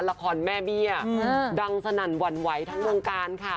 ละครแม่เบี้ยดังสนั่นหวั่นไหวทั้งวงการค่ะ